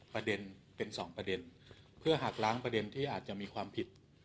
ประเด็นเป็นสองประเด็นเพื่อหักล้างประเด็นที่อาจจะมีความผิด